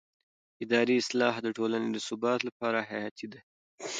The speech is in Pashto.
اداري اصلاح د ټولنې د ثبات لپاره حیاتي دی